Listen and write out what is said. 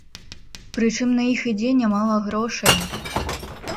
Прычым на іх ідзе нямала грошай.